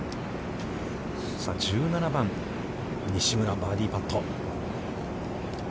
さあ１７番、西村のバーディーパット。